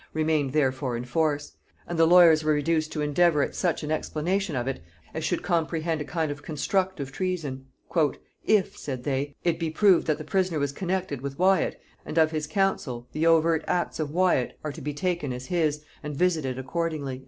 remained therefore in force; and the lawyers were reduced to endeavour at such an explanation of it as should comprehend a kind of constructive treason. "If," said they, "it be proved that the prisoner was connected with Wyat, and of his counsel, the overt acts of Wyat are to be taken as his, and visited accordingly."